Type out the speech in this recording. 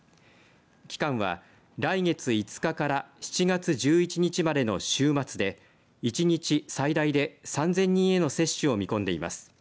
期間は来月５日から７月１１日までの週末で１日最大で３０００人への接種を見込んでいます。